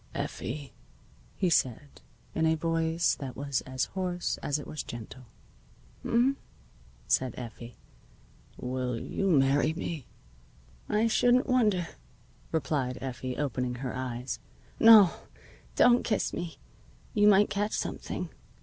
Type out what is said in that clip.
"Effie," he said, in a voice that was as hoarse as it was gentle. "H'm?" said Effie. "Will you marry me?" "I shouldn't wonder," replied Effie, opening her eyes. "No, don't kiss me. You might catch something.